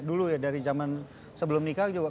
dulu ya dari zaman sebelum nikah juga